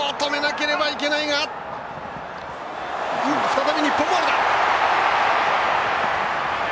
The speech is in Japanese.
再び日本ボール。